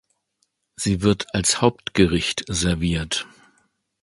Sie wird als Hauptgericht serviert.